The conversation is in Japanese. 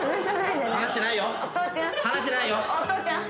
お父ちゃん。